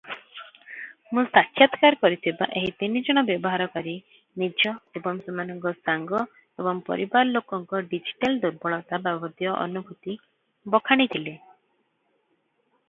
ମୁଁ ସାକ୍ଷାତକାର କରିଥିବା ଏହି ତିନି ଜଣ ବ୍ୟବହାରକାରୀ ନିଜ ଏବଂ ସେମାନଙ୍କ ସାଙ୍ଗ ଏବଂ ପରିବାର ଲୋକଙ୍କ ଡିଜିଟାଲ ଦୁର୍ବଳତା ବାବଦୀୟ ଅନୁଭୂତି ବଖାଣିଥିଲେ ।